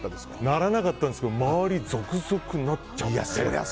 ならなかったですけど周りは続々なっちゃって。